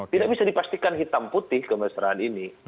tidak bisa dipastikan hitam putih kemesraan ini